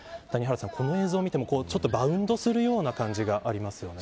この映像を見てもバウンドするような感じがありますよね。